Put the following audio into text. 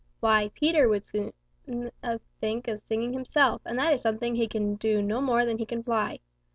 Why, Peter would as soon think of singing himself, and that is something he can no more do than he can fly.